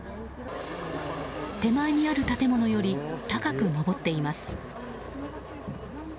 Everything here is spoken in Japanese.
手前にある建物より高く上っています。